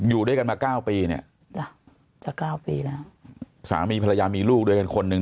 อยู่ด้วยกันมา๙ปีเนี่ยจะ๙ปีแล้วสามีภรรยามีลูกด้วยคนนึง